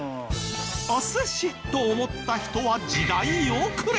お寿司と思った人は時代遅れ。